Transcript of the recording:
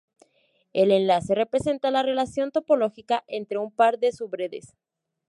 El enlace representa la relación topológica entre un par de subredes.